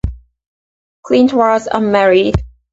Clint was unmarried.